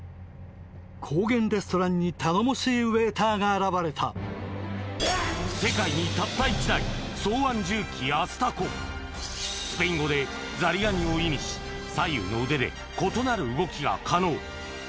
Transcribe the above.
高原レストランに頼もしいウエーターが現れた世界にたった１台スペイン語でザリガニを意味し左右の腕で異なる動きが可能